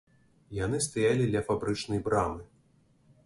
Яны стаялі ля фабрычнай брамы.